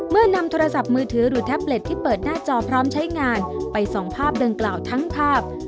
นำโทรศัพท์มือถือหรือแท็บเล็ตที่เปิดหน้าจอพร้อมใช้งานไปส่องภาพดังกล่าวทั้งภาพ